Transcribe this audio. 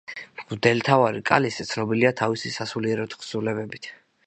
მღვდელმთავარი კალისტე ცნობილია თავისი სასულიერო თხზულებებით.